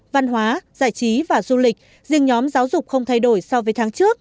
văn hóa giải trí và du lịch riêng nhóm giáo dục không thay đổi so với tháng trước